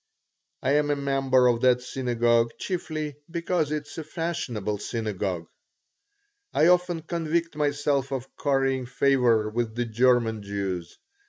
I am a member of that synagogue chiefly because it is a fashionable synagogue. I often convict myself of currying favor with the German Jews.